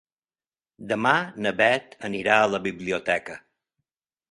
Demà na Bet anirà a la biblioteca.